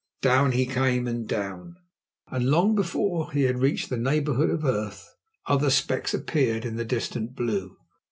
Down he came and down, and long before he had reached the neighbourhood of earth other specks appeared in the distant blue.